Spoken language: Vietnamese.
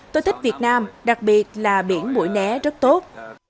tôi thích việt nam đặc biệt là biển bụi né rất tốt